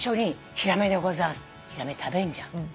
ヒラメ食べんじゃん。